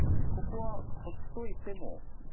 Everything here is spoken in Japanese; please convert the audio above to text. ここは放っといても。